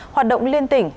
hoạt động liên tỉnh